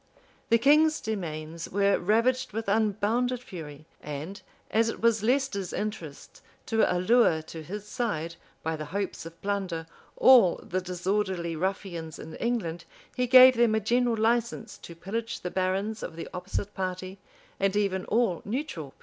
The king's demesnes were ravaged with unbounded fury,[] and as it was Leicester's interest to allure to his side, by the hopes of plunder, all the disorderly ruffians in England he gave them a general license to pillage the barons of the opposite party, and even all neutral persons.